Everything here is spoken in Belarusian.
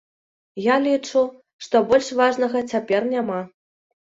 Я лічу, што больш важнага цяпер няма.